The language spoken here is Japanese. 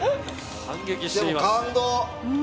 でも、感動！